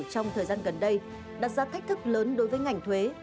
trong thời gian gần đây đặt ra thách thức lớn đối với ngành thuế